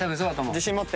自信持って！